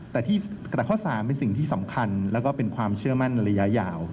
แต่ข้อ๓เป็นสิ่งที่สำคัญแล้วก็เป็นความเชื่อมั่นในระยะยาว